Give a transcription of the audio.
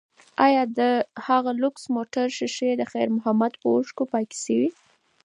ایا د هغه لوکس موټر ښیښې د خیر محمد په اوښکو پاکې شوې؟